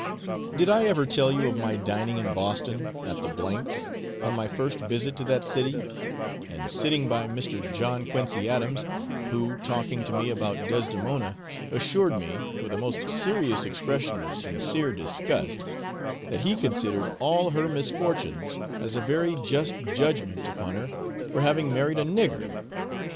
Did I ever tell you of my dining in Boston, at the H 's, on my first visit to that city, and sitting by Mr. John Quincy Adams, who, talking to me about Desdemona, assured me, with a most serious expression of sincere disgust, that he considered all her misfortunes as a very just judgement upon her for having married a 'nigger?'